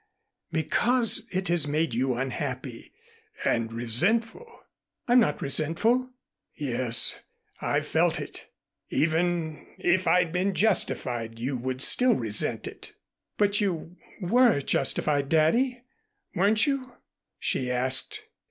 "Because it has made you unhappy and resentful." "I'm not resentful." "Yes. I've felt it. Even if I'd been justified, you would still resent it." "But you were justified, Daddy, weren't you?" she asked.